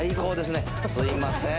すいません。